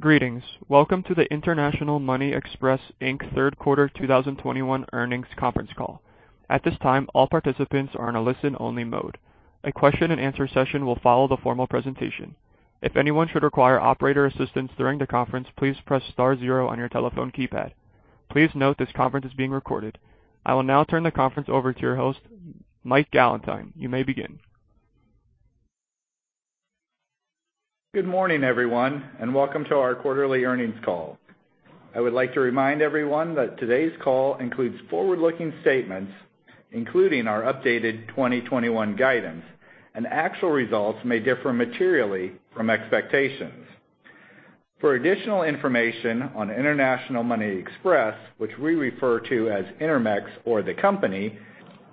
Greetings. Welcome to the International Money Express, Inc. third quarter 2021 earnings conference call. At this time, all participants are in a listen-only mode. A question-and-answer session will follow the formal presentation. If anyone should require operator assistance during the conference, please press star zero on your telephone keypad. Please note this conference is being recorded. I will now turn the conference over to your host, Mike Gallentine. You may begin. Good morning, everyone, and welcome to our quarterly earnings call. I would like to remind everyone that today's call includes forward-looking statements, including our updated 2021 guidance, and actual results may differ materially from expectations. For additional information on International Money Express, which we refer to as Intermex or the company,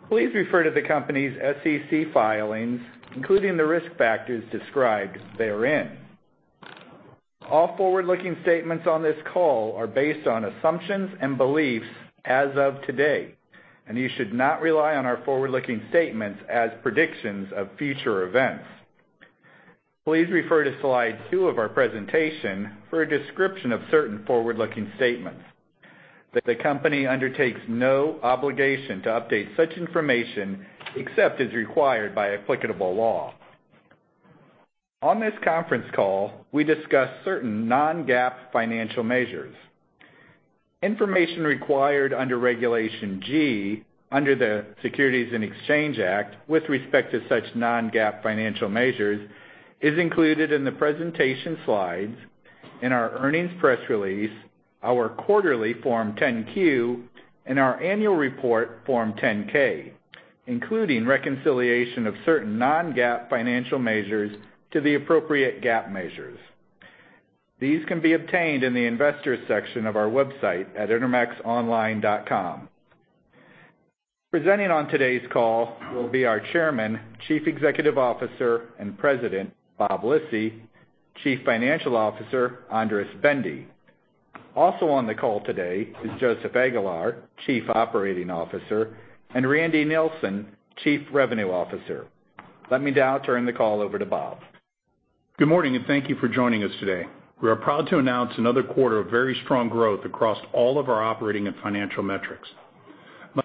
please refer to the company's SEC filings, including the risk factors described therein. All forward-looking statements on this call are based on assumptions and beliefs as of today, and you should not rely on our forward-looking statements as predictions of future events. Please refer to slide two of our presentation for a description of certain forward-looking statements. The company undertakes no obligation to update such information except as required by applicable law. On this conference call, we discuss certain non-GAAP financial measures. Information required under Regulation G under the Securities and Exchange Act with respect to such non-GAAP financial measures is included in the presentation slides in our earnings press release, our quarterly Form 10-Q, and our annual report Form 10-K, including reconciliation of certain non-GAAP financial measures to the appropriate GAAP measures. These can be obtained in the investors section of our website at intermexonline.com. Presenting on today's call will be our Chairman, Chief Executive Officer, and President, Bob Lisy, Chief Financial Officer, Andras Bende. Also on the call today is Joseph Aguilar, Chief Operating Officer, and Randy Nilsen, Chief Revenue Officer. Let me now turn the call over to Bob. Good morning, and thank you for joining us today. We are proud to announce another quarter of very strong growth across all of our operating and financial metrics.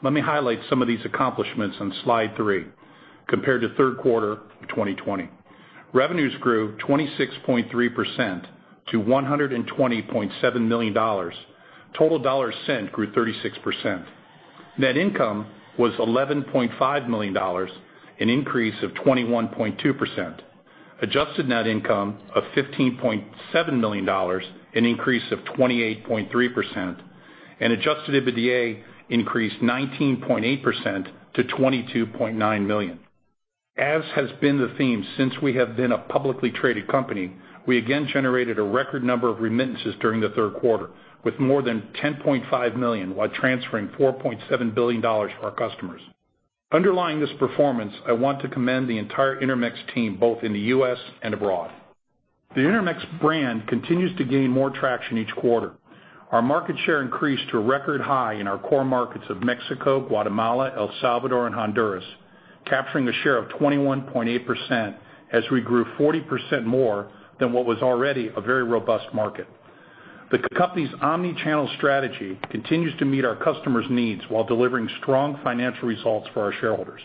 Let me highlight some of these accomplishments on slide three compared to third quarter of 2020. Revenues grew 26.3% to $120.7 million. Total dollars sent grew 36%. Net income was $11.5 million, an increase of 21.2%. Adjusted net income of $15.7 million, an increase of 28.3%. Adjusted EBITDA increased 19.8% to $22.9 million. As has been the theme since we have been a publicly traded company, we again generated a record number of remittances during the third quarter with more than 10.5 million while transferring $4.7 billion to our customers. Underlying this performance, I want to commend the entire Intermex team, both in the U.S. and abroad. The Intermex brand continues to gain more traction each quarter. Our market share increased to a record high in our core markets of Mexico, Guatemala, El Salvador, and Honduras, capturing a share of 21.8% as we grew 40% more than what was already a very robust market. The company's omnichannel strategy continues to meet our customers' needs while delivering strong financial results for our shareholders.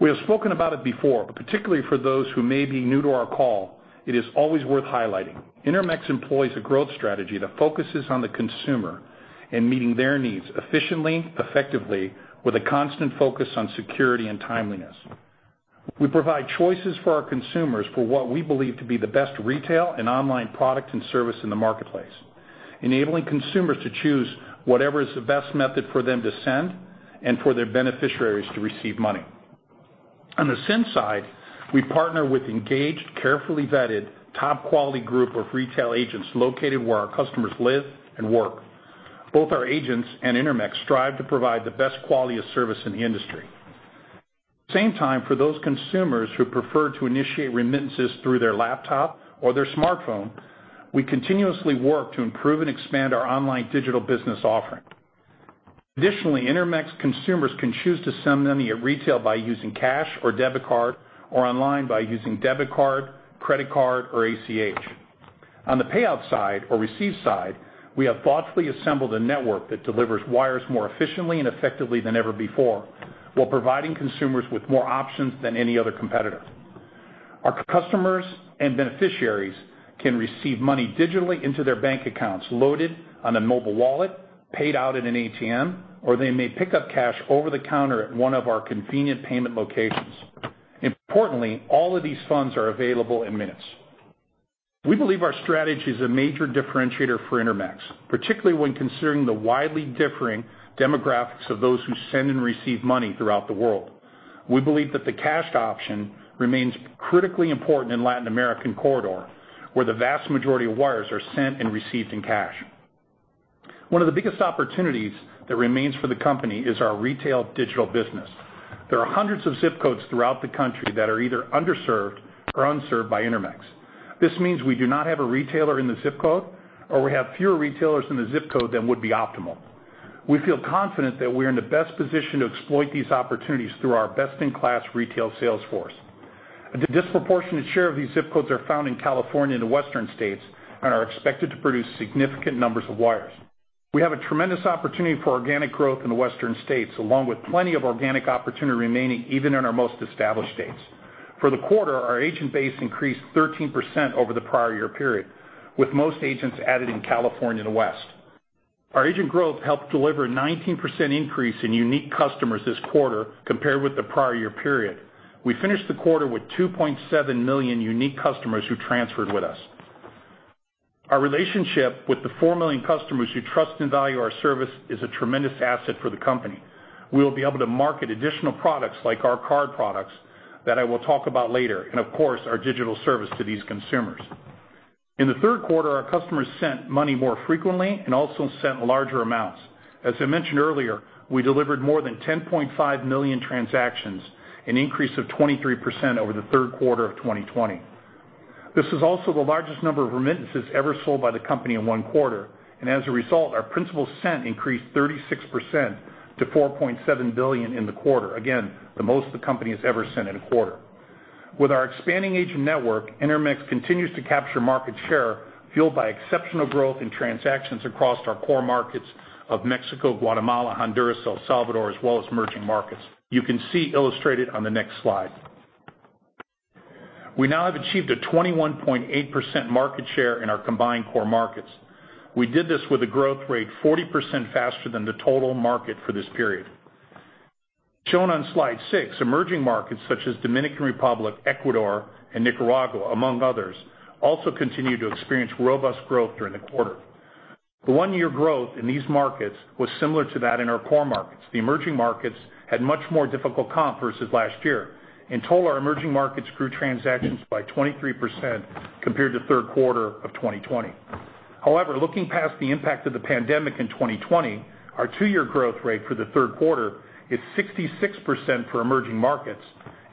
We have spoken about it before, but particularly for those who may be new to our call, it is always worth highlighting. Intermex employs a growth strategy that focuses on the consumer and meeting their needs efficiently, effectively with a constant focus on security and timeliness. We provide choices for our consumers for what we believe to be the best retail and online product and service in the marketplace, enabling consumers to choose whatever is the best method for them to send and for their beneficiaries to receive money. On the send side, we partner with engaged, carefully vetted, top-quality group of retail agents located where our customers live and work. Both our agents and Intermex strive to provide the best quality of service in the industry. At the same time, for those consumers who prefer to initiate remittances through their laptop or their smartphone, we continuously work to improve and expand our online digital business offering. Additionally, Intermex consumers can choose to send money at retail by using cash or debit card, or online by using debit card, credit card, or ACH. On the payout side or receive side, we have thoughtfully assembled a network that delivers wires more efficiently and effectively than ever before while providing consumers with more options than any other competitor. Our customers and beneficiaries can receive money digitally into their bank accounts, loaded on a mobile wallet, paid out at an ATM, or they may pick up cash over the counter at one of our convenient payment locations. Importantly, all of these funds are available in minutes. We believe our strategy is a major differentiator for Intermex, particularly when considering the widely differing demographics of those who send and receive money throughout the world. We believe that the cash option remains critically important in Latin American corridor, where the vast majority of wires are sent and received in cash. One of the biggest opportunities that remains for the company is our retail digital business. There are hundreds of ZIP codes throughout the country that are either underserved or unserved by Intermex. This means we do not have a retailer in the ZIP code or we have fewer retailers in the ZIP code than would be optimal. We feel confident that we're in the best position to exploit these opportunities through our best-in-class retail sales force. A disproportionate share of these ZIP codes are found in California and the Western states and are expected to produce significant numbers of wires. We have a tremendous opportunity for organic growth in the Western states, along with plenty of organic opportunity remaining even in our most established states. For the quarter, our agent base increased 13% over the prior year period, with most agents added in California and the West. Our agent growth helped deliver 19% increase in unique customers this quarter compared with the prior year period. We finished the quarter with 2.7 million unique customers who transferred with us. Our relationship with the 4 million customers who trust and value our service is a tremendous asset for the company. We will be able to market additional products like our card products that I will talk about later, and of course, our digital service to these consumers. In the third quarter, our customers sent money more frequently and also sent larger amounts. As I mentioned earlier, we delivered more than 10.5 million transactions, an increase of 23% over the third quarter of 2020. This is also the largest number of remittances ever sold by the company in one quarter, and as a result, our principal sent increased 36% to $4.7 billion in the quarter. Again, the most the company has ever sent in a quarter. With our expanding agent network, Intermex continues to capture market share fueled by exceptional growth in transactions across our core markets of Mexico, Guatemala, Honduras, El Salvador, as well as emerging markets. You can see illustrated on the next slide. We now have achieved a 21.8% market share in our combined core markets. We did this with a growth rate 40% faster than the total market for this period. Shown on slide six, emerging markets such as Dominican Republic, Ecuador, and Nicaragua, among others, also continued to experience robust growth during the quarter. The one-year growth in these markets was similar to that in our core markets. The emerging markets had much more difficult comp versus last year. In total, our emerging markets grew transactions by 23% compared to third quarter of 2020. However, looking past the impact of the pandemic in 2020, our two-year growth rate for the third quarter is 66% for emerging markets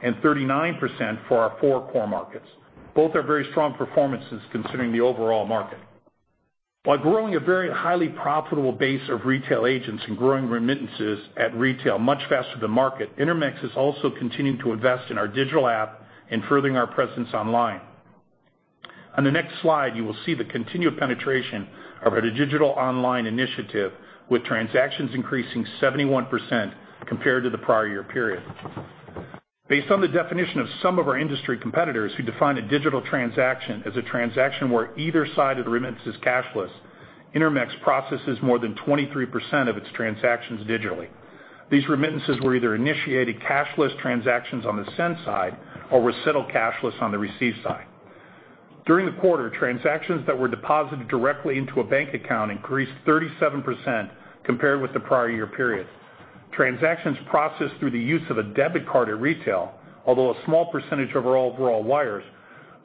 and 39% for our four core markets. Both are very strong performances considering the overall market. While growing a very highly profitable base of retail agents and growing remittances at retail much faster than market, Intermex is also continuing to invest in our digital app and furthering our presence online. On the next slide, you will see the continued penetration of our digital online initiative with transactions increasing 71% compared to the prior year period. Based on the definition of some of our industry competitors who define a digital transaction as a transaction where either side of the remittance is cashless, Intermex processes more than 23% of its transactions digitally. These remittances were either initiated cashless transactions on the send side or were settled cashless on the receive side. During the quarter, transactions that were deposited directly into a bank account increased 37% compared with the prior year period. Transactions processed through the use of a debit card at retail, although a small percentage of our overall wires,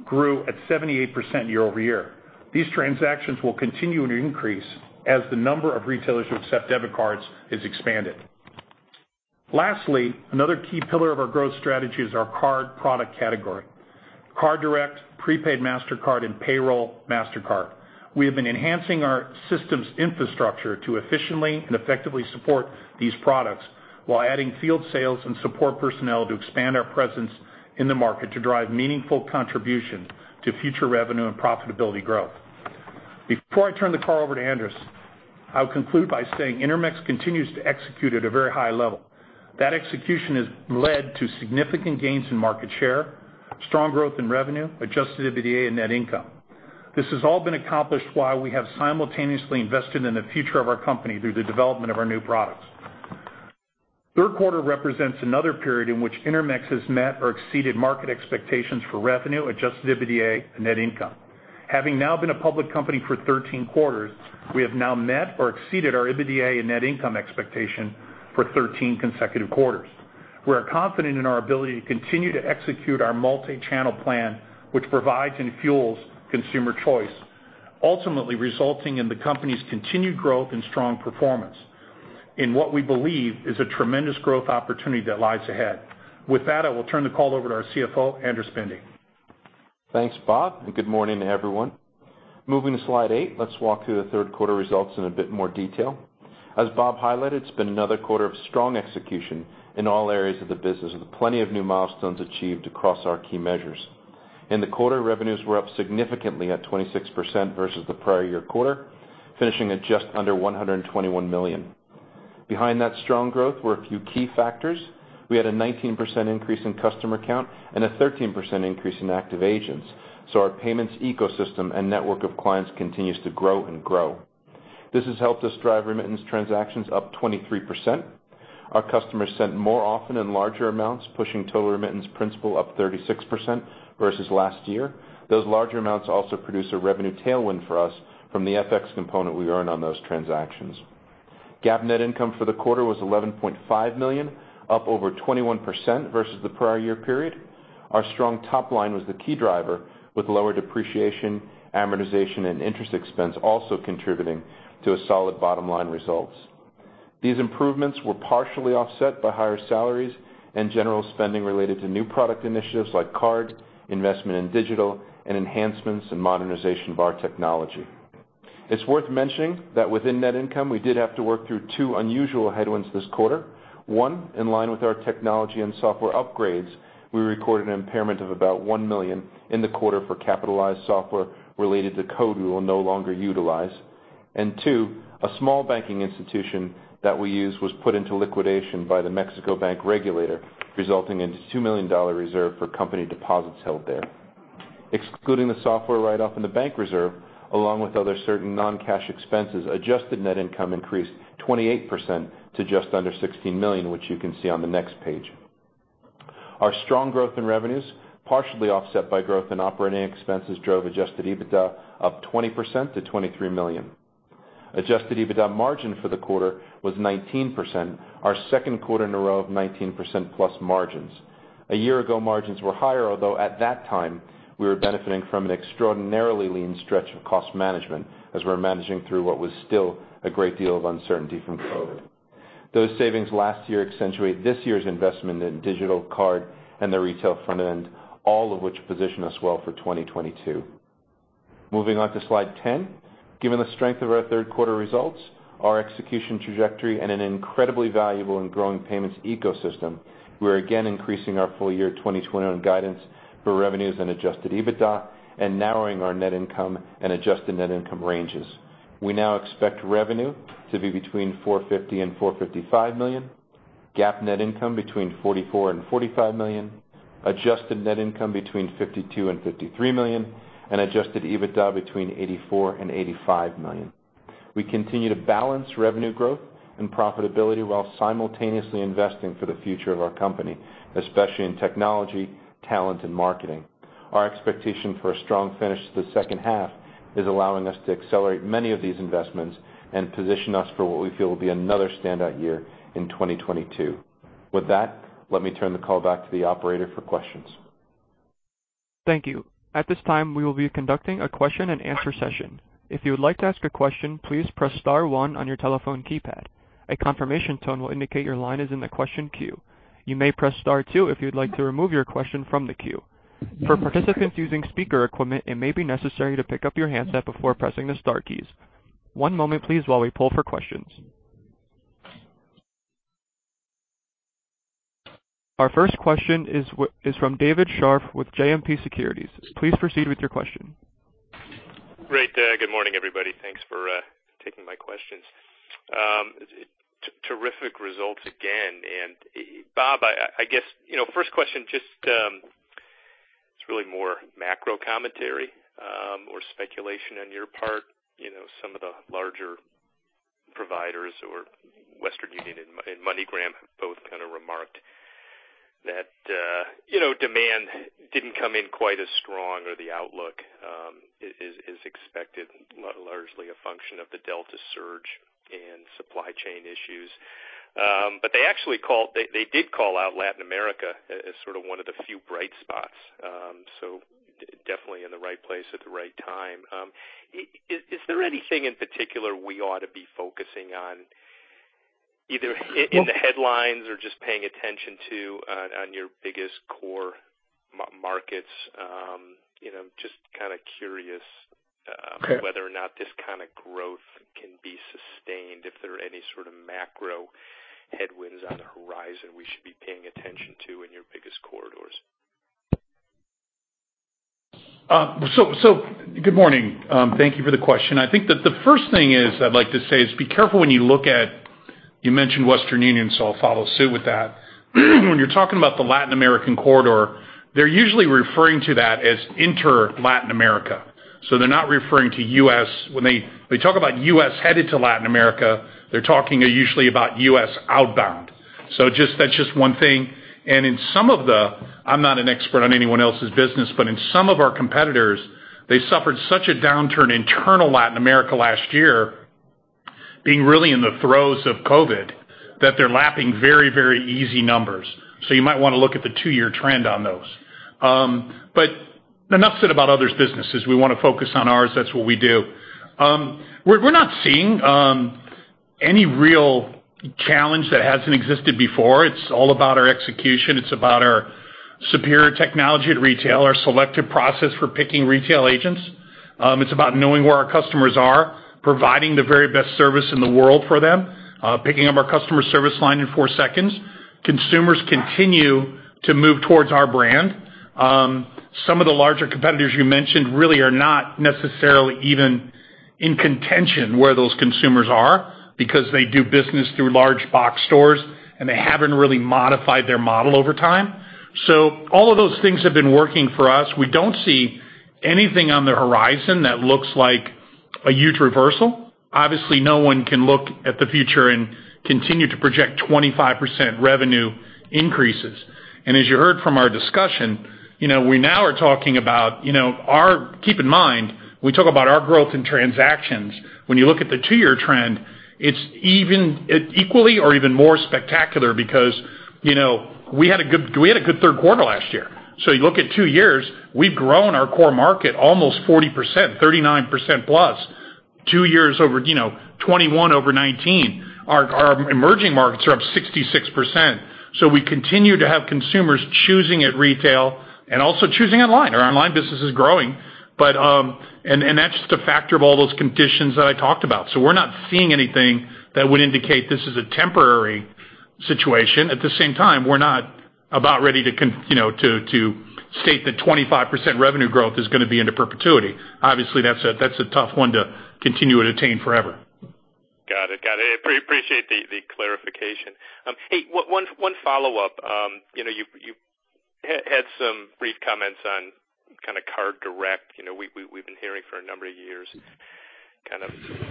grew at 78% year-over-year. These transactions will continue to increase as the number of retailers who accept debit cards is expanded. Lastly, another key pillar of our growth strategy is our card product category, Card Direct, prepaid Mastercard, and payroll Mastercard. We have been enhancing our systems infrastructure to efficiently and effectively support these products while adding field sales and support personnel to expand our presence in the market to drive meaningful contribution to future revenue and profitability growth. Before I turn the call over to Andras, I'll conclude by saying Intermex continues to execute at a very high level. That execution has led to significant gains in market share, strong growth in revenue, adjusted EBITDA and net income. This has all been accomplished while we have simultaneously invested in the future of our company through the development of our new products. Third quarter represents another period in which Intermex has met or exceeded market expectations for revenue, adjusted EBITDA and net income. Having now been a public company for 13 quarters, we have now met or exceeded our EBITDA and net income expectation for 13 consecutive quarters. We are confident in our ability to continue to execute our multi-channel plan, which provides and fuels consumer choice, ultimately resulting in the company's continued growth and strong performance in what we believe is a tremendous growth opportunity that lies ahead. With that, I will turn the call over to our CFO, Andras Bende. Thanks, Bob, and good morning to everyone. Moving to slide eight, let's walk through the third quarter results in a bit more detail. As Bob highlighted, it's been another quarter of strong execution in all areas of the business, with plenty of new milestones achieved across our key measures. In the quarter, revenues were up significantly at 26% versus the prior year quarter, finishing at just under $121 million. Behind that strong growth were a few key factors. We had a 19% increase in customer count and a 13% increase in active agents. Our payments ecosystem and network of clients continues to grow and grow. This has helped us drive remittance transactions up 23%. Our customers sent more often in larger amounts, pushing total remittance principal up 36% versus last year. Those larger amounts also produce a revenue tailwind for us from the FX component we earn on those transactions. GAAP net income for the quarter was $11.5 million, up over 21% versus the prior year period. Our strong top line was the key driver, with lower depreciation, amortization, and interest expense also contributing to a solid bottom line results. These improvements were partially offset by higher salaries and general spending related to new product initiatives like card, investment in digital, and enhancements and modernization of our technology. It's worth mentioning that within net income, we did have to work through two unusual headwinds this quarter. One, in line with our technology and software upgrades, we recorded an impairment of about $1 million in the quarter for capitalized software related to code we will no longer utilize. Two, a small banking institution that we use was put into liquidation by the Mexican bank regulator, resulting in a $2 million reserve for company deposits held there. Excluding the software write-off and the bank reserve, along with other certain non-cash expenses, adjusted net income increased 28% to just under $16 million, which you can see on the next page. Our strong growth in revenues, partially offset by growth in operating expenses, drove adjusted EBITDA up 20% to $23 million. Adjusted EBITDA margin for the quarter was 19%, our second quarter in a row of 19%+ margins. A year ago, margins were higher, although at that time we were benefiting from an extraordinarily lean stretch of cost management as we're managing through what was still a great deal of uncertainty from COVID. Those savings last year accentuate this year's investment in digital card and the retail front end, all of which position us well for 2022. Moving on to slide 10. Given the strength of our third quarter results, our execution trajectory, and an incredibly valuable and growing payments ecosystem, we're again increasing our full year 2021 guidance for revenues and adjusted EBITDA and narrowing our net income and adjusted net income ranges. We now expect revenue to be between $450 million-$455 million, GAAP net income between $44 million-$45 million, adjusted net income between $52 million-$53 million, and adjusted EBITDA between $84 million-$85 million. We continue to balance revenue growth and profitability while simultaneously investing for the future of our company, especially in technology, talent, and marketing. Our expectation for a strong finish to the second half is allowing us to accelerate many of these investments and position us for what we feel will be another standout year in 2022. With that, let me turn the call back to the operator for questions. Thank you. At this time, we will be conducting a question and answer session. If you would like to ask a question, please press star one on your telephone keypad. A confirmation tone will indicate your line is in the question queue. You may press star two if you'd like to remove your question from the queue. For participants using speaker equipment, it may be necessary to pick up your handset before pressing the star keys. One moment please while we pull for questions. Our first question is from David Scharf with JMP Securities. Please proceed with your question. Great. Good morning, everybody. Thanks for taking my questions. Terrific results again. Bob, I guess, you know, first question just, it's really more macro commentary, or speculation on your part. You know, some of the larger providers or Western Union and MoneyGram have both kind of remarked that, you know, demand didn't come in quite as strong or the outlook is expected, largely a function of the Delta surge and supply chain issues. They actually called out Latin America as sort of one of the few bright spots. Definitely in the right place at the right time. Is there anything in particular we ought to be focusing on either in the headlines or just paying attention to on your biggest core markets? You know, just kinda curious Okay. Whether or not this kinda growth can be sustained, if there are any sort of macro headwinds on the horizon we should be paying attention to in your biggest corridors? Good morning. Thank you for the question. I think that the first thing is I'd like to say is be careful when you look at, you mentioned Western Union, so I'll follow suit with that. When you're talking about the Latin American corridor, they're usually referring to that as intra-Latin America, so they're not referring to U.S. When they talk about U.S. headed to Latin America, they're talking usually about U.S. outbound. Just, that's just one thing. In some of the, I'm not an expert on anyone else's business, but in some of our competitors, they suffered such a downturn internal Latin America last year, being really in the throes of COVID, that they're lapping very easy numbers. You might wanna look at the two-year trend on those. Enough said about others' businesses. We wanna focus on ours. That's what we do. We're not seeing any real challenge that hasn't existed before. It's all about our execution. It's about our superior technology at retail, our selective process for picking retail agents. It's about knowing where our customers are, providing the very best service in the world for them, picking up our customer service line in four seconds. Consumers continue to move towards our brand. Some of the larger competitors you mentioned really are not necessarily even in contention where those consumers are because they do business through large box stores, and they haven't really modified their model over time. All of those things have been working for us. We don't see anything on the horizon that looks like a huge reversal. Obviously, no one can look at the future and continue to project 25% revenue increases. As you heard from our discussion, you know, we now are talking about, you know. Keep in mind, we talk about our growth in transactions. When you look at the two-year trend, it's even equally or even more spectacular because, you know, we had a good third quarter last year. You look at two years, we've grown our core market almost 40%, 39% plus, two years over, you know, 2021 over 2019. Our emerging markets are up 66%. We continue to have consumers choosing at retail and also choosing online. Our online business is growing. That's just a factor of all those conditions that I talked about. We're not seeing anything that would indicate this is a temporary situation. At the same time, we're not about to you know, to state that 25% revenue growth is gonna be in perpetuity. Obviously, that's a tough one to continue to attain forever. Got it. Appreciate the clarification. Hey, one follow-up. You know, you've had some brief comments on kinda Card Direct. You know, we've been hearing for a number of years kind of,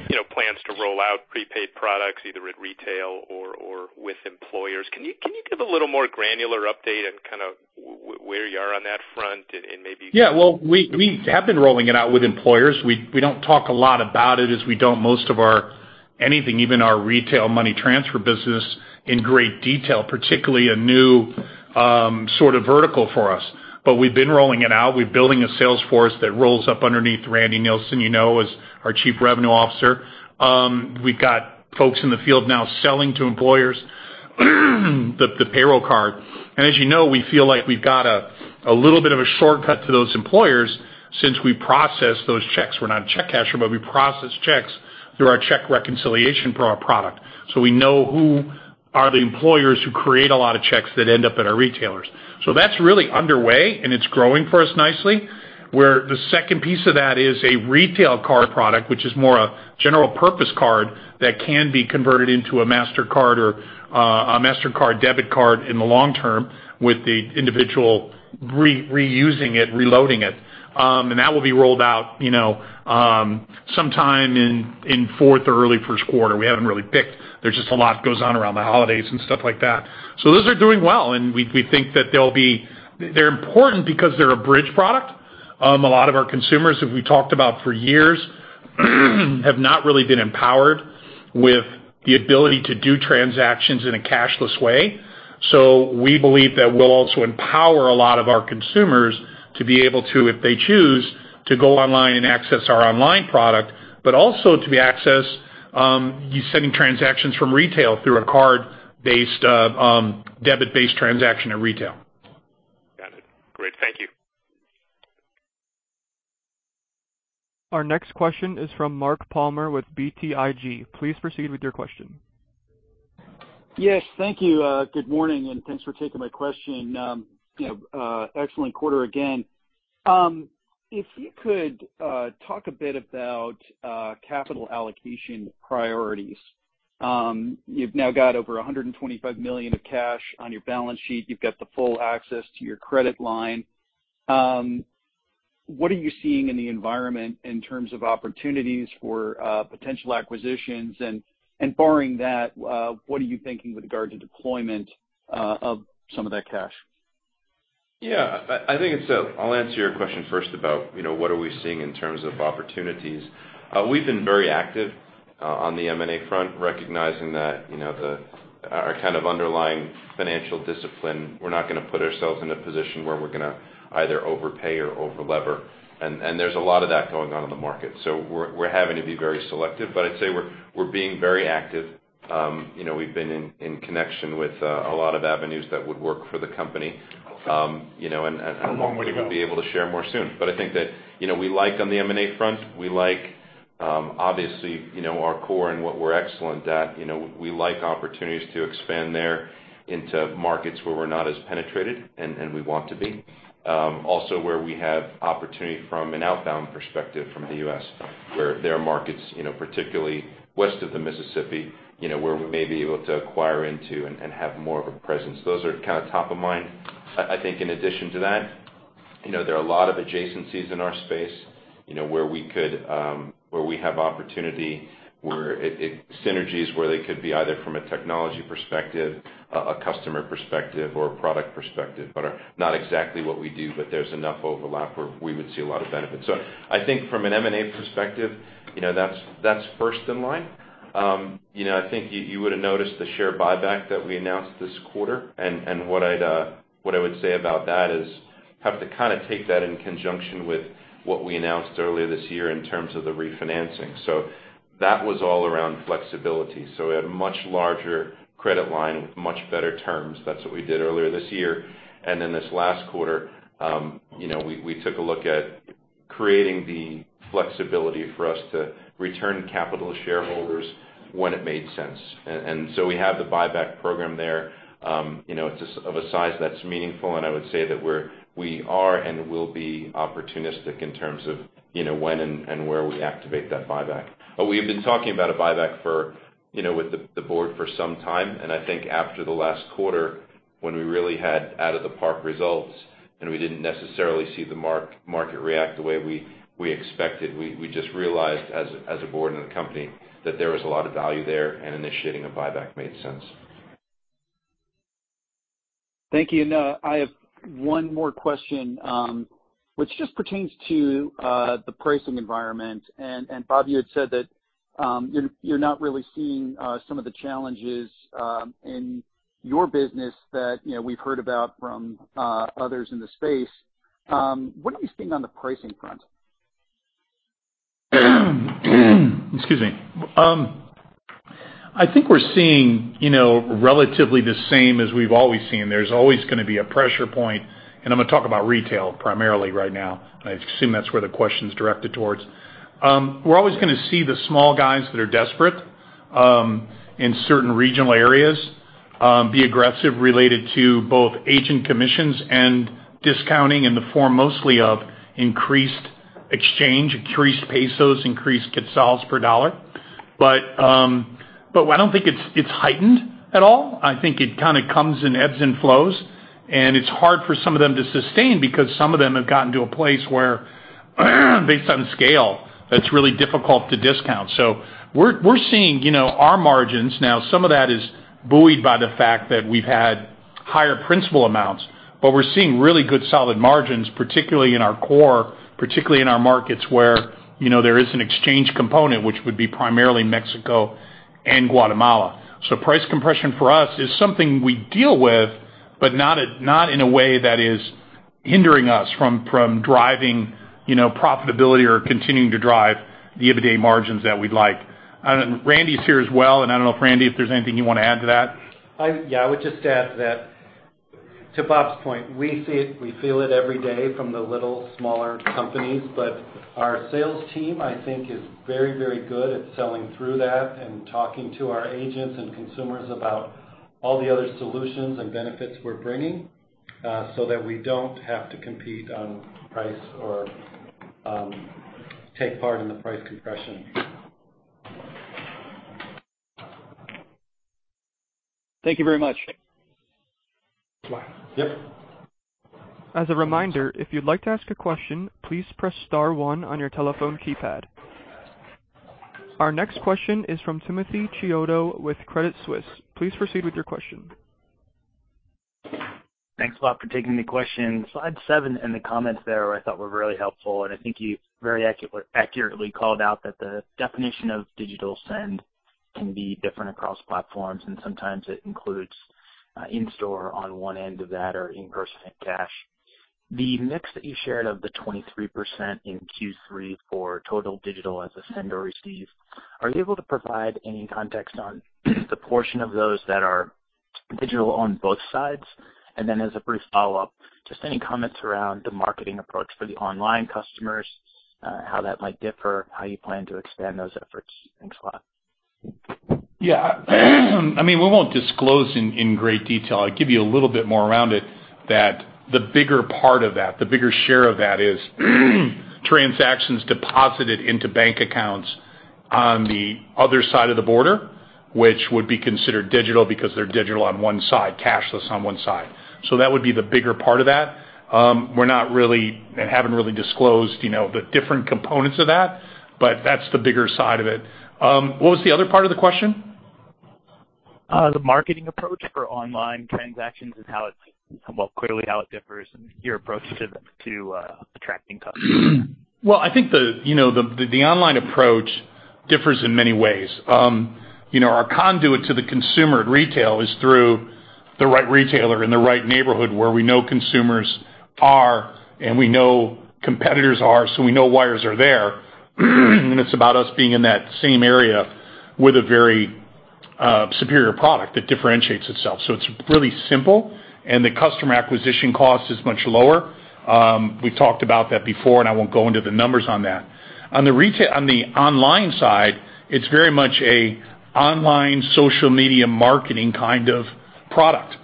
you know, plans to roll out prepaid products, either at retail or with employers. Can you give a little more granular update on kind of where you are on that front and maybe- Yeah. Well, we have been rolling it out with employers. We don't talk a lot about it as we don't most of our anything, even our retail money transfer business in great detail, particularly a new sort of vertical for us. We've been rolling it out. We're building a sales force that rolls up underneath Randy Nilsen, you know, as our Chief Revenue Officer. We've got folks in the field now selling to employers the payroll card. As you know, we feel like we've got a little bit of a shortcut to those employers since we process those checks. We're not a check casher, but we process checks through our check reconciliation proprietary product. We know who are the employers who create a lot of checks that end up at our retailers. That's really underway, and it's growing for us nicely. Where the second piece of that is a retail card product, which is more a general purpose card that can be converted into a Mastercard or a Mastercard debit card in the long term with the individual reusing it, reloading it. That will be rolled out, you know, sometime in fourth or early first quarter. We haven't really picked. There's just a lot goes on around the holidays and stuff like that. Those are doing well, and we think that they'll be important because they're a bridge product. A lot of our consumers who we talked about for years have not really been empowered with the ability to do transactions in a cashless way. We believe that we'll also empower a lot of our consumers to be able to, if they choose, to go online and access our online product, but also to be accessed, sending transactions from retail through a card-based, debit-based transaction at retail. Got it. Great. Thank you. Our next question is from Mark Palmer with BTIG. Please proceed with your question. Yes. Thank you. Good morning, and thanks for taking my question. You know, excellent quarter again. If you could talk a bit about capital allocation priorities. You've now got over $125 million of cash on your balance sheet. You've got the full access to your credit line. What are you seeing in the environment in terms of opportunities for potential acquisitions? Barring that, what are you thinking with regard to deployment of some of that cash? Yeah. I think I'll answer your question first about, you know, what are we seeing in terms of opportunities. We've been very active on the M&A front, recognizing that, you know, our kind of underlying financial discipline, we're not gonna put ourselves in a position where we're gonna either overpay or over-lever. There's a lot of that going on in the market. We're having to be very selective. I'd say we're being very active. You know, we've been in connection with a lot of avenues that would work for the company. You know, hopefully- How long would it be? We'll be able to share more soon. I think that, you know, we like on the M&A front, obviously, you know, our core and what we're excellent at. You know, we like opportunities to expand there into markets where we're not as penetrated, and we want to be. Also, where we have opportunity from an outbound perspective from the U.S., where there are markets, you know, particularly west of the Mississippi, you know, where we may be able to acquire into and have more of a presence. Those are kind of top of mind. I think in addition to that, you know, there are a lot of adjacencies in our space, you know, where we have opportunity, where synergies where they could be either from a technology perspective, a customer perspective, or a product perspective, but are not exactly what we do, but there's enough overlap where we would see a lot of benefit. I think from an M&A perspective, you know, that's first in line. You know, I think you would've noticed the share buyback that we announced this quarter. What I would say about that is have to kinda take that in conjunction with what we announced earlier this year in terms of the refinancing. That was all around flexibility. We had a much larger credit line with much better terms. That's what we did earlier this year. This last quarter, you know, we took a look at creating the flexibility for us to return capital to shareholders when it made sense. We have the buyback program there. You know, it's of a size that's meaningful, and I would say that we are and will be opportunistic in terms of, you know, when and where we activate that buyback. We have been talking about a buyback for, you know, with the board for some time. I think after the last quarter, when we really had out of the park results, and we didn't necessarily see the market react the way we expected, we just realized as a board and a company, that there was a lot of value there, and initiating a buyback made sense. Thank you. I have one more question, which just pertains to the pricing environment. Bob, you had said that you're not really seeing some of the challenges in your business that, you know, we've heard about from others in the space. What are you seeing on the pricing front? Excuse me. I think we're seeing, you know, relatively the same as we've always seen. There's always gonna be a pressure point, and I'm gonna talk about retail primarily right now. I assume that's where the question's directed towards. We're always gonna see the small guys that are desperate in certain regional areas be aggressive related to both agent commissions and discounting in the form mostly of increased exchange, increased pesos, increased quetzals per dollar. But I don't think it's heightened at all. I think it kinda comes in ebbs and flows, and it's hard for some of them to sustain because some of them have gotten to a place where, based on scale, it's really difficult to discount. So we're seeing, you know, our margins. Now, some of that is buoyed by the fact that we've had higher principal amounts, but we're seeing really good, solid margins, particularly in our core, particularly in our markets where, you know, there is an exchange component, which would be primarily Mexico and Guatemala. Price compression for us is something we deal with, but not in a way that is hindering us from driving, you know, profitability or continuing to drive the EBITDA margins that we'd like. Randy's here as well, and I don't know if, Randy, if there's anything you wanna add to that. Yeah, I would just add to that. To Bob's point, we see it, we feel it every day from the little smaller companies, but our sales team, I think, is very, very good at selling through that and talking to our agents and consumers about all the other solutions and benefits we're bringing, so that we don't have to compete on price or take part in the price compression. Thank you very much. Wow. Yep. As a reminder, if you'd like to ask a question, please press star one on your telephone keypad. Our next question is from Timothy Chiodo with Credit Suisse. Please proceed with your question. Thanks a lot for taking the question. Slide seven and the comments there I thought were really helpful, and I think you very accurately called out that the definition of digital send can be different across platforms, and sometimes it includes in-store on one end of that or in-person cash. The mix that you shared of the 23% in Q3 for total digital as a send or receive, are you able to provide any context on the portion of those that are digital on both sides? And then as a brief follow-up, just any comments around the marketing approach for the online customers, how that might differ, how you plan to expand those efforts. Thanks a lot. Yeah. I mean, we won't disclose in great detail. I'll give you a little bit more around it that the bigger part of that, the bigger share of that is transactions deposited into bank accounts on the other side of the border, which would be considered digital because they're digital on one side, cashless on one side. That would be the bigger part of that. We're not really, and haven't really disclosed, you know, the different components of that, but that's the bigger side of it. What was the other part of the question? The marketing approach for online transactions and well, clearly how it differs and your approach to attracting customers. Well, I think the you know the online approach differs in many ways. You know, our conduit to the consumer at retail is through the right retailer in the right neighborhood where we know consumers are and we know competitors are, so we know wires are there. It's about us being in that same area with a very superior product that differentiates itself. It's really simple, and the customer acquisition cost is much lower. We've talked about that before, and I won't go into the numbers on that. On the online side, it's very much an online social media marketing kind of product.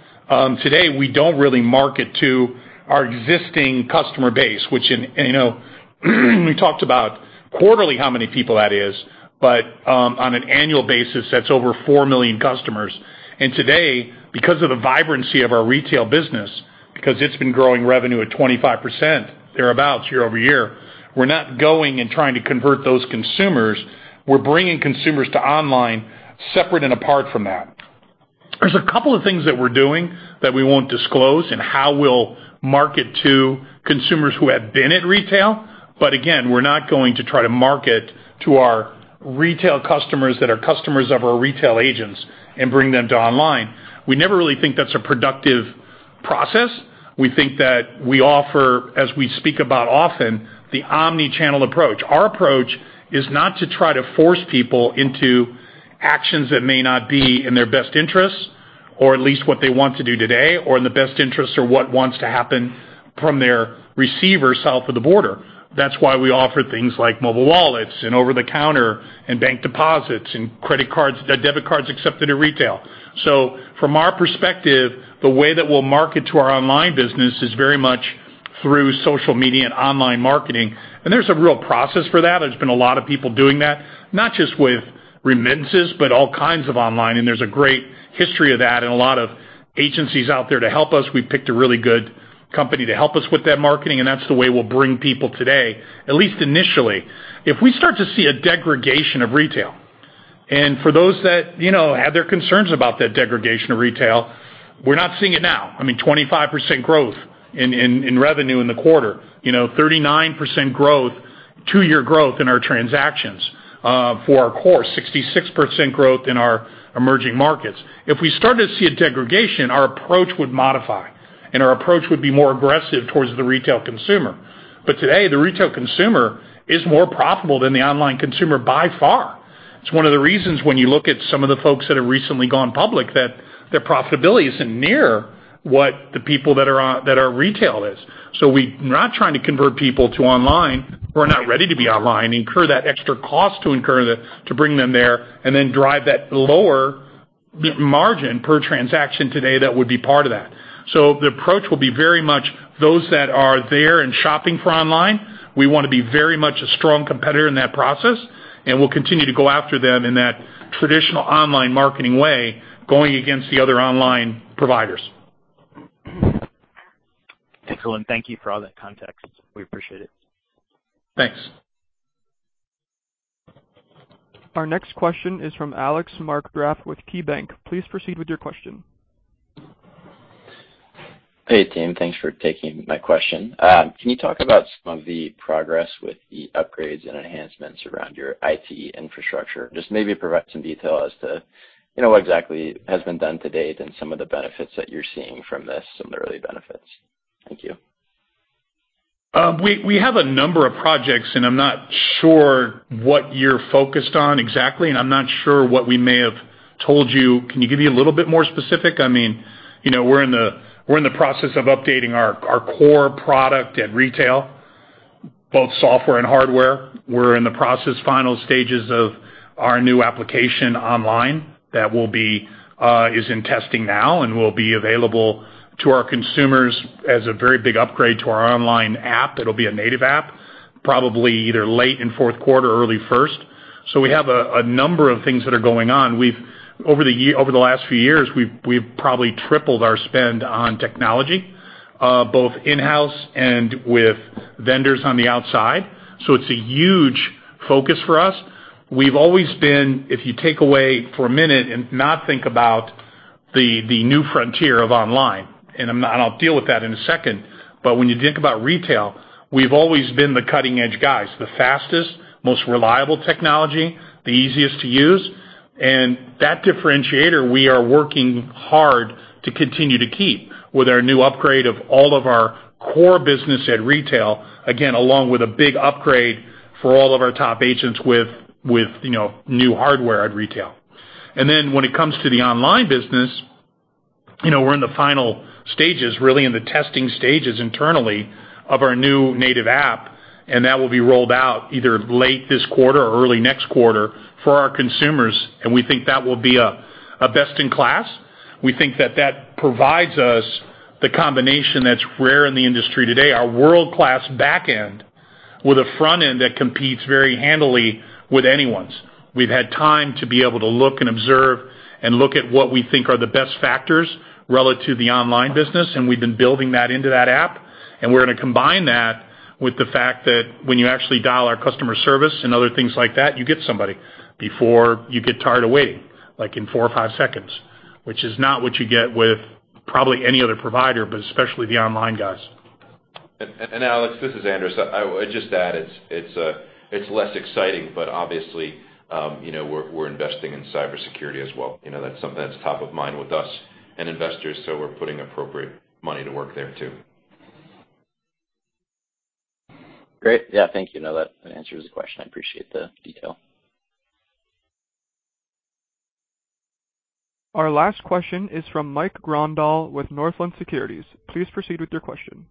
Today, we don't really market to our existing customer base, which in you know we talked about quarterly how many people that is, but on an annual basis, that's over 4 million customers. Today, because of the vibrancy of our retail business, because it's been growing revenue at 25% thereabout year-over-year, we're not going and trying to convert those consumers. We're bringing consumers to online separate and apart from that. There's a couple of things that we're doing that we won't disclose in how we'll market to consumers who have been at retail, but again, we're not going to try to market to our retail customers that are customers of our retail agents and bring them to online. We never really think that's a productive process. We think that we offer, as we speak about often, the omnichannel approach. Our approach is not to try to force people into actions that may not be in their best interest or at least what they want to do today or in the best interest or what wants to happen from their receiver south of the border. That's why we offer things like mobile wallets and over-the-counter and bank deposits and credit cards, debit cards accepted at retail. From our perspective, the way that we'll market to our online business is very much through social media and online marketing, and there's a real process for that. There's been a lot of people doing that, not just with remittances, but all kinds of online, and there's a great history of that and a lot of agencies out there to help us. We've picked a really good company to help us with that marketing, and that's the way we'll bring people today, at least initially. If we start to see a degradation of retail, and for those that, you know, have their concerns about that degradation of retail, we're not seeing it now. I mean, 25% growth in revenue in the quarter. You know, 39% two-year growth in our transactions for our core, 66% growth in our emerging markets. If we start to see a degradation, our approach would modify, and our approach would be more aggressive towards the retail consumer. Today, the retail consumer is more profitable than the online consumer by far. It's one of the reasons when you look at some of the folks that have recently gone public, that their profitability isn't near what the people that are retail is. We're not trying to convert people to online who are not ready to be online, incur that extra cost to bring them there and then drive that lower margin per transaction today that would be part of that. The approach will be very much those that are there and shopping for online. We wanna be very much a strong competitor in that process, and we'll continue to go after them in that traditional online marketing way, going against the other online providers. Excellent. Thank you for all that context. We appreciate it. Thanks. Our next question is from Alex Markgraff with KeyBanc. Please proceed with your question. Hey, team. Thanks for taking my question. Can you talk about some of the progress with the upgrades and enhancements around your IT infrastructure? Just maybe provide some detail as to, you know, what exactly has been done to date and some of the benefits that you're seeing from this, some of the early benefits. Thank you. We have a number of projects, and I'm not sure what you're focused on exactly, and I'm not sure what we may have told you. Can you give me a little bit more specific? I mean, you know, we're in the process of updating our core product at retail, both software and hardware. We're in the final stages of our new application online that is in testing now and will be available to our consumers as a very big upgrade to our online app. That'll be a native app, probably either late in fourth quarter or early first. We have a number of things that are going on. Over the last few years, we've probably tripled our spend on technology, both in-house and with vendors on the outside, so it's a huge focus for us. We've always been, if you take away for a minute and not think about the new frontier of online, and I'll deal with that in a second. When you think about retail, we've always been the cutting edge guys, the fastest, most reliable technology, the easiest to use. That differentiator, we are working hard to continue to keep with our new upgrade of all of our core business at retail, again, along with a big upgrade for all of our top agents with you know, new hardware at retail. Then when it comes to the online business, you know, we're in the final stages, really in the testing stages internally of our new native app, and that will be rolled out either late this quarter or early next quarter for our consumers, and we think that will be a best in class. We think that that provides us the combination that's rare in the industry today, our world-class back end with a front end that competes very handily with anyone's. We've had time to be able to look and observe and look at what we think are the best factors relative to the online business, and we've been building that into that app, and we're gonna combine that with the fact that when you actually dial our customer service and other things like that, you get somebody before you get tired of waiting, like in four or five seconds, which is not what you get with probably any other provider, but especially the online guys. Alex, this is Andras. I would just add, it's less exciting, but obviously, you know, we're investing in cybersecurity as well. You know, that's something that's top of mind with us and investors, so we're putting appropriate money to work there too. Great. Yeah. Thank you. No, that answers the question. I appreciate the detail. Our last question is from Mike Grondahl with Northland Securities. Please proceed with your question.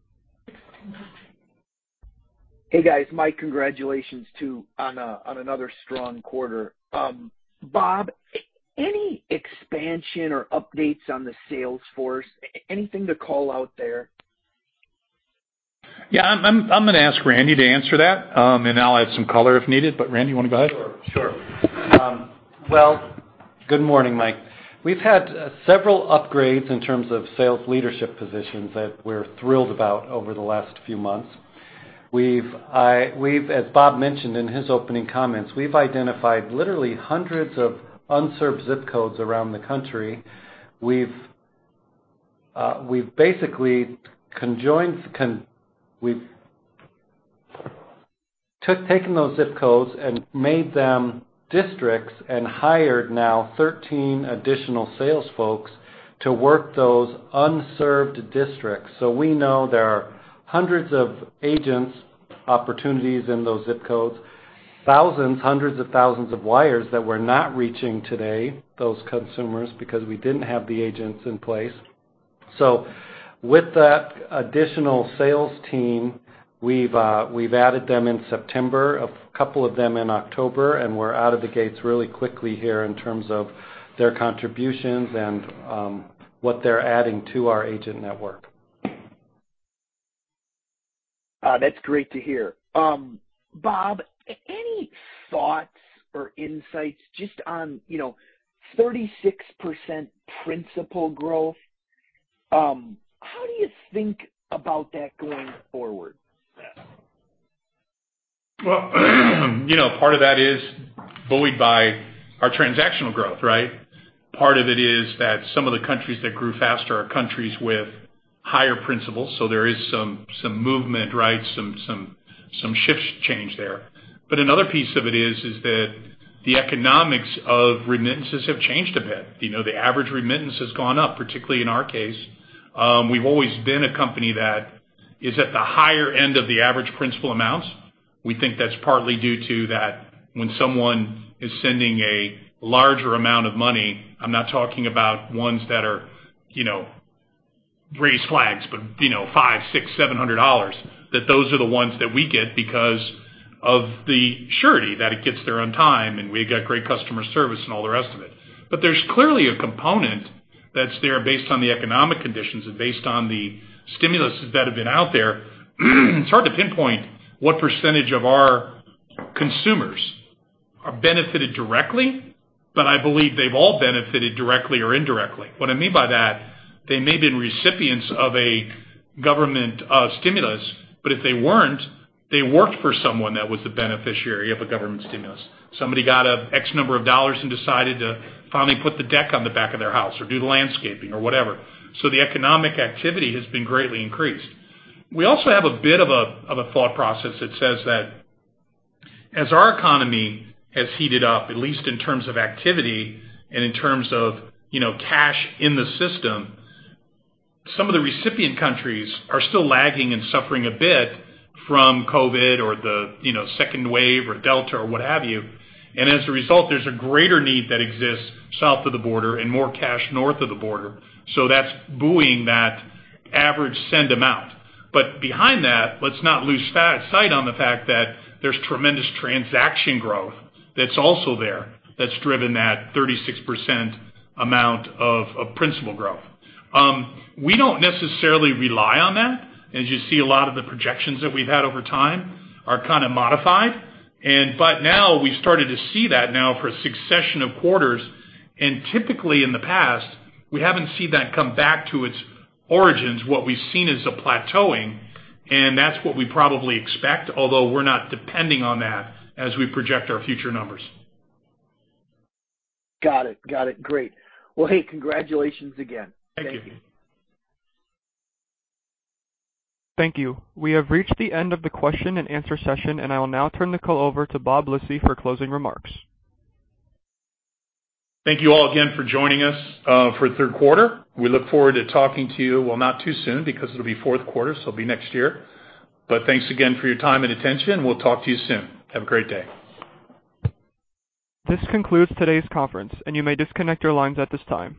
Hey, guys. Mike, congratulations on another strong quarter. Bob, any expansion or updates on the sales force? Anything to call out there? Yeah, I'm gonna ask Randy to answer that, and I'll add some color if needed. Randy, you wanna go ahead? Sure. Well, good morning, Mike. We've had several upgrades in terms of sales leadership positions that we're thrilled about over the last few months. We've, as Bob mentioned in his opening comments, we've identified literally hundreds of unserved ZIP codes around the country. We've basically taken those ZIP codes and made them districts and hired 13 additional sales folks to work those unserved districts. We know there are hundreds of agents, opportunities in those ZIP codes, thousands, hundreds of thousands of wires that we're not reaching today, those consumers, because we didn't have the agents in place. With that additional sales team, we've added them in September, a couple of them in October, and we're out of the gate really quickly here in terms of their contributions and what they're adding to our agent network. That's great to hear. Bob, any thoughts or insights just on, you know, 36% principal growth? How do you think about that going forward? Well, you know, part of that is buoyed by our transactional growth, right? Part of it is that some of the countries that grew faster are countries with higher principal. There is some movement, right, some shifts change there. Another piece of it is that the economics of remittances have changed a bit. You know, the average remittance has gone up, particularly in our case. We've always been a company that is at the higher end of the average principal amounts. We think that's partly due to that when someone is sending a larger amount of money, I'm not talking about ones that are, you know, raise flags, but, you know, $500-$700, that those are the ones that we get because of the surety that it gets there on time, and we've got great customer service and all the rest of it. There's clearly a component that's there based on the economic conditions and based on the stimulus that have been out there. It's hard to pinpoint what percentage of our consumers are benefited directly, but I believe they've all benefited directly or indirectly. What I mean by that, they may have been recipients of a government stimulus, but if they weren't, they worked for someone that was the beneficiary of a government stimulus. Somebody got some number of dollars and decided to finally put the deck on the back of their house or do the landscaping or whatever. The economic activity has been greatly increased. We also have a bit of a thought process that says that as our economy has heated up, at least in terms of activity and in terms of, you know, cash in the system, some of the recipient countries are still lagging and suffering a bit from COVID or the, you know, second wave or Delta or what have you. As a result, there's a greater need that exists south of the border and more cash north of the border. That's buoying that average send amount. Behind that, let's not lose sight on the fact that there's tremendous transaction growth that's also there that's driven that 36% amount of principal growth. We don't necessarily rely on that. As you see, a lot of the projections that we've had over time are kinda modified. Now we've started to see that now for a succession of quarters. Typically in the past, we haven't seen that come back to its origins. What we've seen is a plateauing, and that's what we probably expect, although we're not depending on that as we project our future numbers. Got it. Got it. Great. Well, hey, congratulations again. Thank you. Thank you. We have reached the end of the question-and-answer session, and I will now turn the call over to Bob Lisy for closing remarks. Thank you all again for joining us for third quarter. We look forward to talking to you, well, not too soon because it'll be fourth quarter, so it'll be next year. Thanks again for your time and attention. We'll talk to you soon. Have a great day. This concludes today's conference, and you may disconnect your lines at this time.